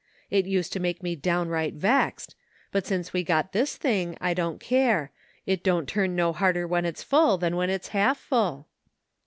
It used to make me downright vexed ; but since we got this thing I don't care ; it don't turn no harder when it's full than when it's half full."